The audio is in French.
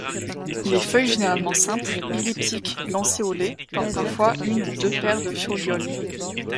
Les feuilles généralement simples, elliptiques-lancéolées, portent parfois une ou deux paires de folioles.